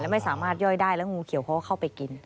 ไม่สามารถย่อยได้แล้วงูเขียวเขาก็เข้าไปกิน